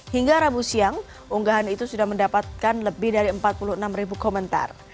hingga rabu siang unggahan itu sudah mendapatkan lebih dari empat puluh enam ribu komentar